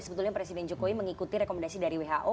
sebetulnya presiden jokowi mengikuti rekomendasi dari who